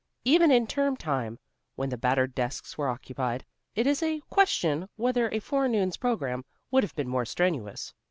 Even in term time, when the battered desks were occupied, it is a question whether a forenoon's program would have been more strenuous.